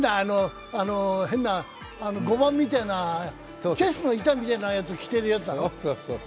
変な碁盤みたいな、チェスの板みたいなの、着てるやつだろ。